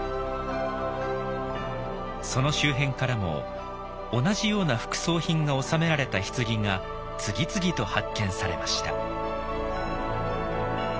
その周辺からも同じような副葬品が納められた棺が次々と発見されました。